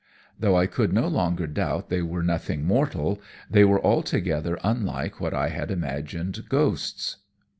Though I could no longer doubt they were nothing mortal, they were altogether unlike what I had imagined ghosts.